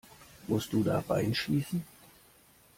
Musst du da rein schießen?